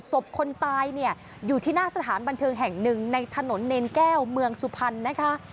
คนตายเนี่ยอยู่ที่หน้าสถานบันเทิงแห่งหนึ่งในถนนเนรแก้วเมืองสุพรรณนะคะ